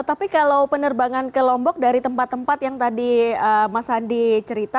tapi kalau penerbangan ke lombok dari tempat tempat yang tadi mas andi cerita